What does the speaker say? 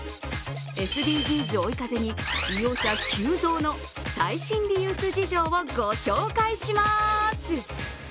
ＳＤＧｓを追い風に、利用者急増の最新リユース事情をご紹介します。